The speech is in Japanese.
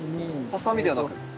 ハサミではなく。